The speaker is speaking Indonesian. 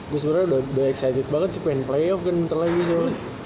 gue sebenarnya udah excited banget sih pengen play of kan bentar lagi tuh